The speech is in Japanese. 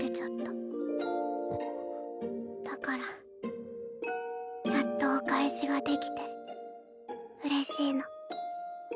だからやっとお返しができてうれしいの。